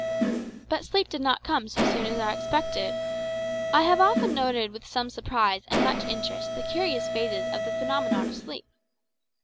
But sleep did not come so soon as we expected. I have often noted with some surprise and much interest the curious phases of the phenomenon of sleep.